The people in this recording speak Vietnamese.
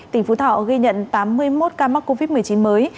tỉnh phú thọ ghi nhận tám mươi một ca mắc covid một mươi chín mới